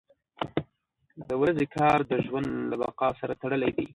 • د ورځې کار د ژوند له بقا سره تړلی دی.